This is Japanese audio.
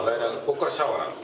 ここからシャワーなの？